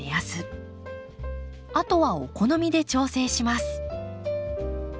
あとはお好みで調整します。